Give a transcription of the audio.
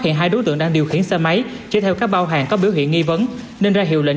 hiện hai đối tượng đang điều khiển xe máy chế theo các bao hàng có biểu hiện nghi vấn nên ra hiệu lệnh